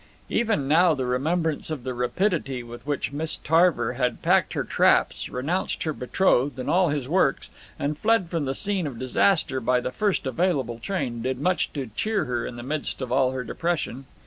Even now the remembrance of the rapidity with which Miss Tarver had packed her traps, renounced her betrothed and all his works, and fled from the scene of disaster by the first available train, did much to cheer her in the midst of all her depression.